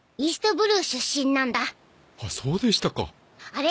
あれ？